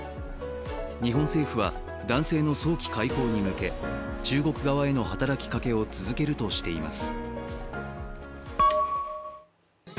日本政府は男性の早期解放に向け中国側への働きかけを続けるとしています。